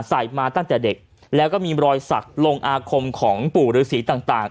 ใส่มาตั้งแต่เด็กแล้วก็มีรอยศักดิ์ลงอาคมของปู่หรือศรีต่างต่าง